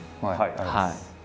ありがとうございます。